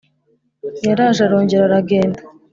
yaraje arongera aragenda,